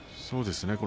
そうですね